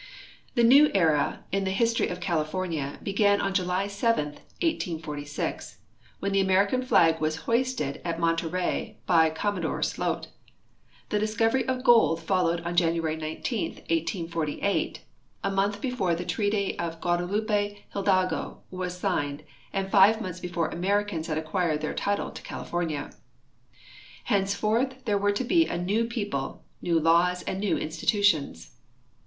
The new era in the history of California began on July 7, 1846, when the American flag was hoisted at Monterey by Commo dore Sloat. The discovery of gold followed on January 19, 1848, a month before the treaty of Guadalupe Hidalgo was signed and five months before Americans had acquired their title to California. Henceforth there were to be a new people, new laws, and new institutions.